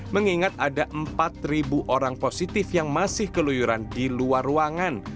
mengingat ada empat orang positif yang masih keluyuran di luar ruangan